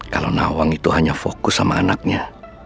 kalau nawang itu hanya fokus sama anaknya